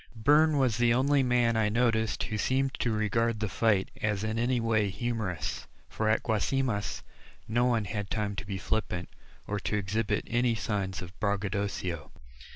Byrne was the only man I noticed who seemed to regard the fight as in any way humorous. For at Guasimas, no one had time to be flippant, or to exhibit any signs of braggadocio.